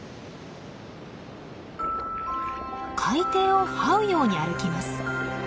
海底をはうように歩きます。